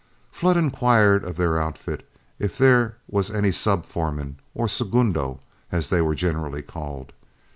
Flood inquired of their outfit if there was any sub foreman, or segundo as they were generally called.